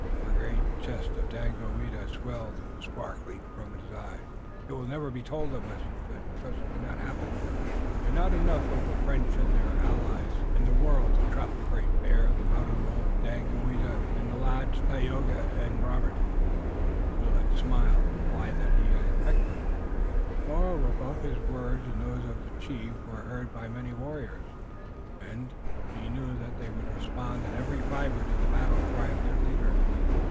The great chest of Daganoweda swelled, and a spark leaped from his eyes. "It will never be told of us," he said, "because it cannot happen. There are not enough of the French and their savage allies in the world to trap the Great Bear, the Mountain Wolf, Daganoweda, and the lads Tayoga and Dagaeoga." Willet smiled. It was the reply that he had expected. Moreover, both his words and those of the chief were heard by many warriors, and he knew that they would respond in every fiber to the battle cry of their leader.